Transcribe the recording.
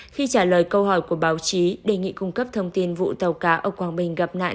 khi trả lời câu hỏi của báo chí đề nghị cung cấp thông tin vụ tàu cá ở quảng bình gặp nạn